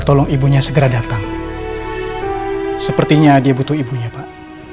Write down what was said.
tolong ibunya segera datang sepertinya dia butuh ibunya pak